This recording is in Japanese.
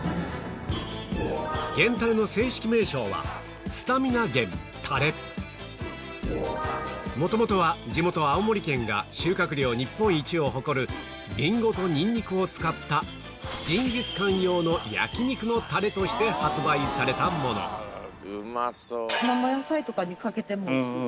源たれの正式名称はもともとは地元青森県が収穫量日本一を誇るリンゴとニンニクを使ったジンギスカン用の焼肉のタレとして発売されたもの生野菜とかにかけてもおいしいしね。